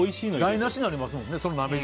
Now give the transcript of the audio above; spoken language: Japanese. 台無しになりますもんね。